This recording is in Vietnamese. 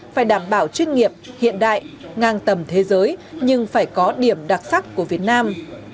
phải đảm bảo chuyên nghiệp hiện đại ngang tầm thế giới nhưng phải có điểm đặc sắc của việt nam